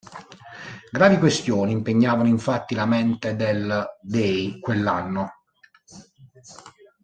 Gravi questioni impegnavano infatti la mente del "dey", quell'anno.